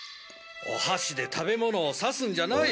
お箸で食べ物を刺すんじゃない。